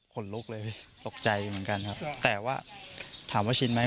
คนลุกเลยพี่ตกใจเหมือนกันครับแต่ว่าถามว่าชินไหม